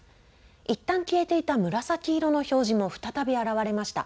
いったん消えていた紫色の表示も再び現れました。